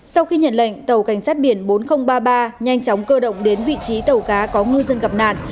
sau khi nhận lệnh tàu cảnh sát biển bốn nghìn ba mươi ba nhanh chóng cơ động đến vị trí tàu cá có ngư dân gặp nạn